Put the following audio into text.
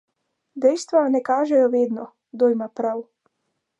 Dejstva ne kažejo vedno, kdo ima prav.